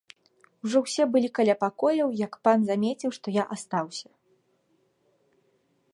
Ужо ўсе былі каля пакояў, як пан замеціў, што я астаўся.